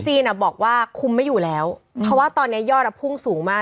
บอกว่าคุมไม่อยู่แล้วเพราะว่าตอนนี้ยอดพุ่งสูงมาก